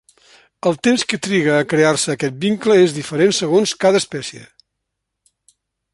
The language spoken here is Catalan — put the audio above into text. El temps que triga a crear-se aquest vincle és diferent segons cada espècie.